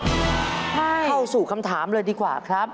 เข้าสู่คำถามเลยดีกว่าครับ